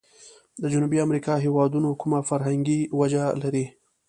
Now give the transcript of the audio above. د جنوبي امريکا هیوادونو کومه فرمنګي وجه لري؟